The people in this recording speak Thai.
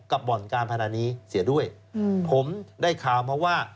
บ่อนการพนันนี้เสียด้วยผมได้ข่าวมาว่า